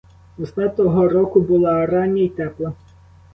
Весна того року була рання й тепла.